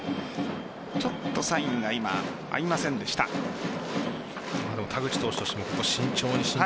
ちょっとサインが今合いませんでした。